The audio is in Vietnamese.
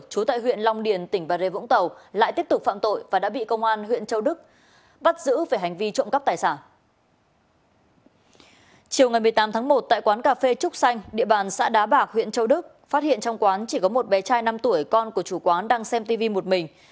chiều ngày một mươi tám tháng một tại quán cà phê trúc xanh địa bàn xã đá bạc huyện châu đức phát hiện trong quán chỉ có một bé trai năm tuổi con của chủ quán đang xem tv một mình